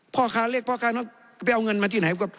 พ่อค้าเรียกพ่อค้าไปเอาเงินมาที่ไหน